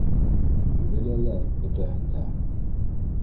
Беләләр бөтәһен дә